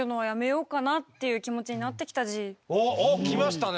おっきましたね！